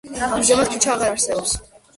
ამჟამად ქუჩა აღარ არსებობს.